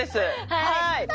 はい！